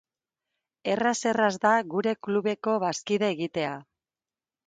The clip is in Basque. Erraz-erraz da gure klubeko bazkide egitea.